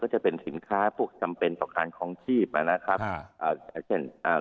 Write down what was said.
ก็จะเป็นสินค้าพวกจำเป็นต่อการคลองชีพนะครับ